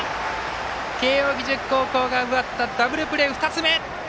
慶応義塾高校が奪ったダブルプレー２つ目。